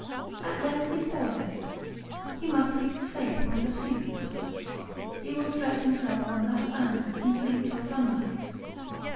At length he pauses ; he must be safe from pursuit now ; he will stretch himself on that bank and sleep till sunrise.